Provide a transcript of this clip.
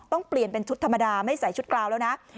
ต้องเปลี่ยนเป็นชุดธรรมดาไม่ใส่ชุดกราวแล้วนะ